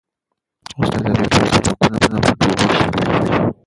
استاد حبیبي سبکونه په دوو برخو وېشلي دي.